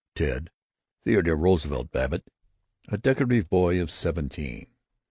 Ted Theodore Roosevelt Babbitt a decorative boy of seventeen.